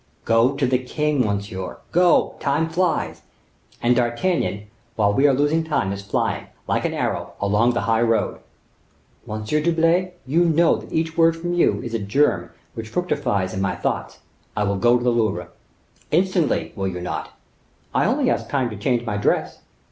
Go to the king, monsieur; go; time flies, and D'Artagnan, while we are losing time, is flying, like an arrow, along the high road." "Monsieur d'Herblay, you know that each word from you is a germ which fructifies in my thoughts. I will go to the Louvre." "Instantly, will you not?" "I only ask time to change my dress."